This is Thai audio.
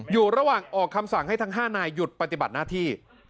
อยู่ระหว่างออกคำสั่งให้ทั้ง๕นายหยุดปฏิบัติหน้าที่